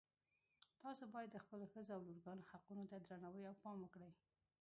تاسو باید د خپلو ښځو او لورګانو حقونو ته درناوی او پام وکړئ